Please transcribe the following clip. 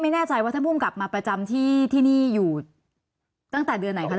ไม่แน่ใจว่าท่านภูมิกลับมาประจำที่นี่อยู่ตั้งแต่เดือนไหนคะ